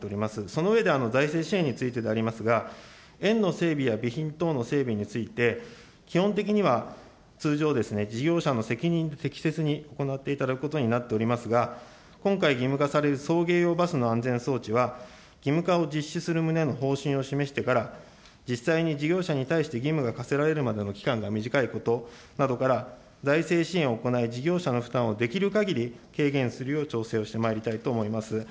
その上で、財政支援についてでありますが、園の整備や備品等の整備について、基本的には通常、事業者の責任で適切に行っていただくことになっておりますが、今回義務化される送迎用バスの安全装置は、義務化を実施する旨の方針を示してから実際に事業者に対して義務が課せられるまでの期間が短いことなどから、財政支援を行い事業者の負担をできるかぎり軽減するよう調整をしてまいりたいと思います。